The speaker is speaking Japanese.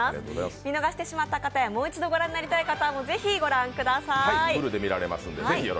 見逃してしまった方やもう一度ご覧になりたい方もぜひご覧ください。